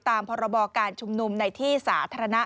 พรบการชุมนุมในที่สาธารณะ